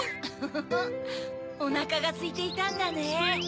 フフフおなかがすいていたんだね。